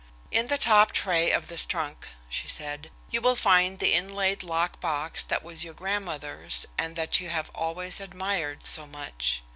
"In the top tray of this trunk," she said, "you will find the inlaid lock box that was your grandmother's and that you have always admired so much.